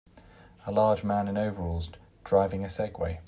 A large man in overalls, driving a Segway.